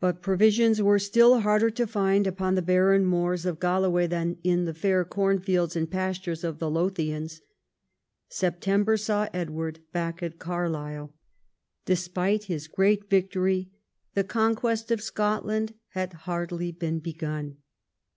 But provisions were still harder to find upon the barren moors of Galloway than in the fair corn fields and pastures of the Lothians. Sep tember saw Edward back at Carlisle. Despite his gi'eat victory, the conquest of Scotland had hardly been begun.